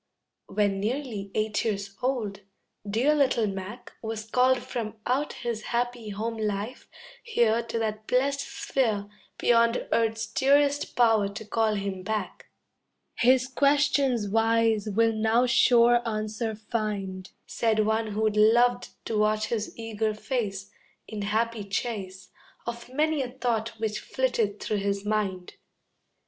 When nearly eight years old, dear little Mac Was called from out his happy home life here To that blest sphere Beyond earth's dearest power to call him back. "His questions wise will now sure answer find," Said one who'd loved to watch his eager face, In happy chase Of many a thought which flitted through his mind.